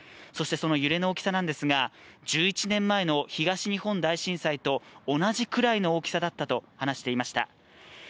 そしてその揺れの大きさなんですが１１年前の東日本大震災と同じくらいの大きさだったと話していました。